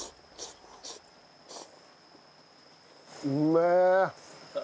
うめえ！